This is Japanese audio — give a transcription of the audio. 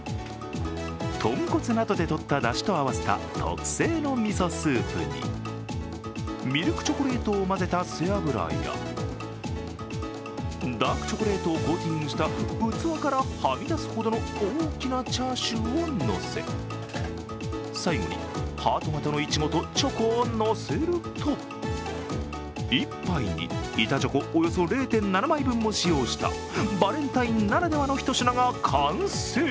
豚骨などでとっただしと合わせた特製のみそスープにミルクチョコレートを混ぜた背脂やダークチョコレートをコーティングした器からはみ出すほどの大きなチャーシューをのせ、最後に、ハート型のいちごとチョコをのせると一杯に板チョコおよそ０．７枚分も使用したバレンタインならではの一品が完成。